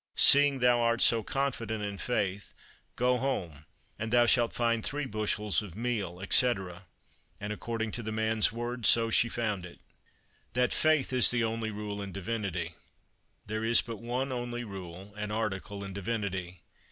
seeing thou art so confident in faith, go home, and thou shalt find three bushels of meal," etc. And according to the man's word, so she found it. That Faith is the only Rule in Divinity. There is but one only rule and article in divinity.